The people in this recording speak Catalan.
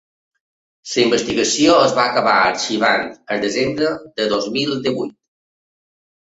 La investigació es va acabar arxivant el desembre de dos mil divuit.